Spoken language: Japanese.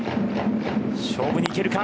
勝負にいけるか。